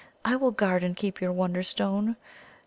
I will guard and keep your Wonderstone.